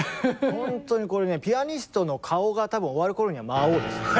ほんとにこれねぇピアニストの顔が多分終わる頃には「魔王」ですね。